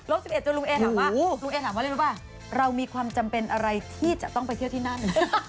ลบ๑๑จนลุงเอ๋ถามว่าเรามีความจำเป็นอะไรที่จะต้องไปเที่ยวที่นั่น